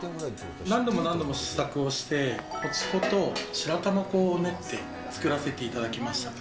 何度も何度も試作をして、餅粉と白玉粉を練って作らせていただきました。